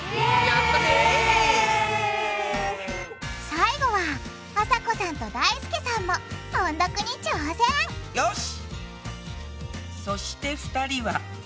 最後はあさこさんとだいすけさんもよし！